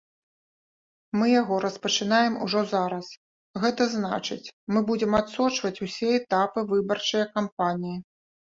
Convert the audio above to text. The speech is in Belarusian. Мы яго распачынаем ужо зараз, гэта значыць, мы будзем адсочваць усе этапы выбарчае кампаніі.